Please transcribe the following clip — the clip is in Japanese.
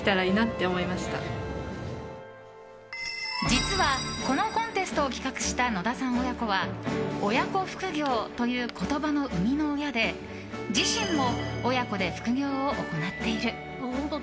実はこのコンテストを企画した野田さん親子は親子副業という言葉の生みの親で自身も親子で副業を行っている。